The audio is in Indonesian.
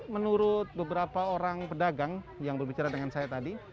menurut beberapa orang pedagang yang berbicara dengan saya tadi